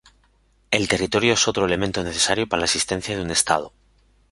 El territorio es otro elemento necesario para la existencia de un estado.